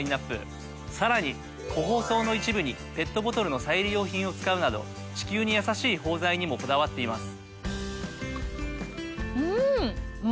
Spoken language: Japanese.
さらに個包装の一部にペットボトルの再利用品を使うなど地球にやさしい包材にもこだわっています。